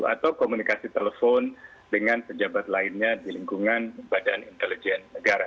atau komunikasi telepon dengan pejabat lainnya di lingkungan badan intelijen negara